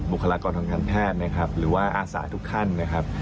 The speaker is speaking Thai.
คลากรทางการแพทย์นะครับหรือว่าอาสาทุกท่านนะครับ